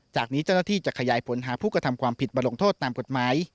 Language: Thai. จากนี้เจ้าหน้าที่จะขยายผลหาผู้กระทำความผิดมาลงโทษตามกฎหมาย